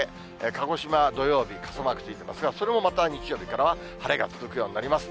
鹿児島は土曜日、傘マークついてますが、それもまた日曜日からは晴れが続くようになります。